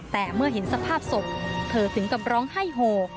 แต่เมื่อเห็นสภาพศพเธอถึงกับร้องไห้โห